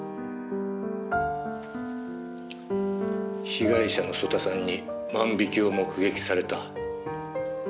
「被害者の曽田さんに万引きを目撃された？」